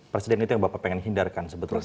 presiden itu yang bapak ingin hindarkan sebetulnya